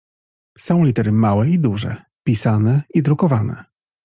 Są litery małe i duże, pisane i drukowane.